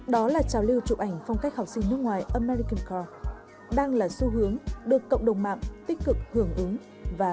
đó là trào lưu chụp ảnh phong cách học sinh nước ngoài amalinc cort đang là xu hướng được cộng đồng mạng tích cực hưởng ứng và